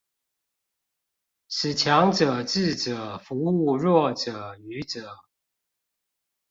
使強者智者服務弱者愚者